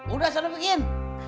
udah sana bikin